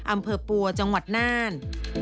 อำเภอปัวจังหวัดน่าน